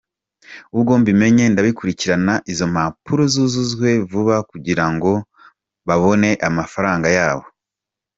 Ubwo mbimenye ndabikurikirana izo mpapuro zuzuzwe vuba kugira ngo babone amafaranga yabo.